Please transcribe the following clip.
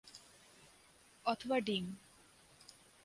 অথবা ডিম।